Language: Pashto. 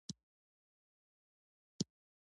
ازادي راډیو د بهرنۍ اړیکې ته پام اړولی.